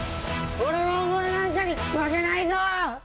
俺はお前なんかに負けないぞ！